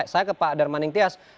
saya ke pak darmaning tias